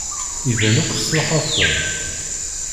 Iban akk tesṛuḥeḍ-ten.